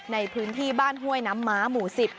ในพื้นที่บ้านห้วยน้ำม้าหมู่๑๐